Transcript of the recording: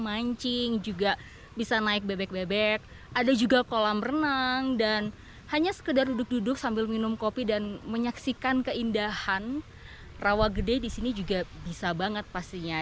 ada juga kolam renang dan hanya sekedar duduk duduk sambil minum kopi dan menyaksikan keindahan rawa gede disini juga bisa banget pastinya